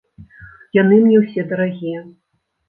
Яны мне ўсе дарагія.